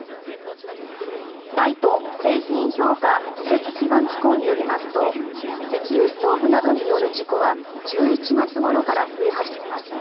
ＮＩＴＥ・製品評価技術基盤機構によりますと石油ストーブなどによる事故は１１月ごろから増え始めます。